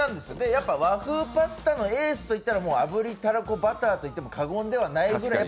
やっぱ和風パスタのエースといったら炙りたらこバターと言っても過言ではないぐらい